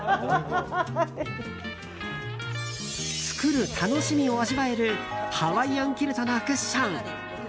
作る楽しみを味わえるハワイアンキルトのクッション。